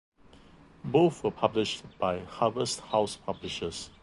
Both were published by Harvest House Publishers.